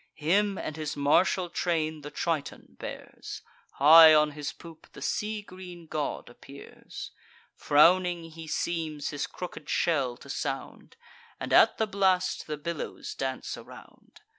Him and his martial train the Triton bears; High on his poop the sea green god appears: Frowning he seems his crooked shell to sound, And at the blast the billows dance around.